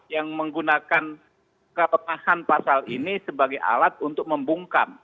yang menggunakan kelemahan pasal ini sebagai alat untuk membungkam